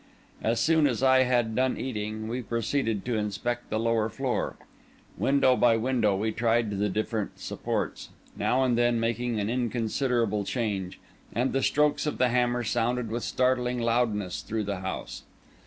As soon as I had done eating, we proceeded to inspect the lower floor. Window by window we tried the different supports, now and then making an inconsiderable change; and the strokes of the hammer sounded with startling loudness through the house.